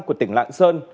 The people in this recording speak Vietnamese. của tỉnh lạng sơn